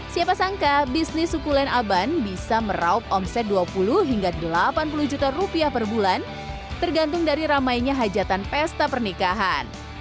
siapa sangka bisnis suku len aban bisa meraup omset dua puluh hingga delapan puluh juta rupiah per bulan tergantung dari ramainya hajatan pesta pernikahan